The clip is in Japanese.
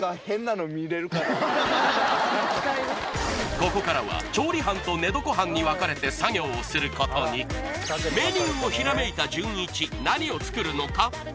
ここからは調理班と寝床班に分かれて作業をすることにメニューをひらめいたじゅんいち何を作るのか？